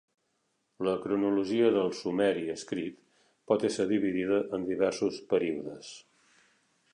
La cronologia del sumeri escrit pot ésser dividida en diversos períodes.